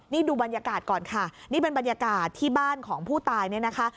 นี่ดูบรรยากาศก่อนค่ะนี่เป็นบรรยากาศที่บ้านของผู้ตายเนี่ยนะคะ